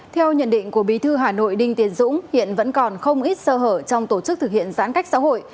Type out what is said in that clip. theo nhận định của bí thư hà nội đinh tiến dũng hiện vẫn còn không ít sơ hở trong tổ chức thực hiện giãn cách xã hội